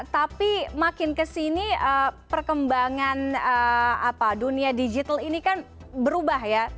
tapi makin kesini perkembangan dunia digital ini kan berubah ya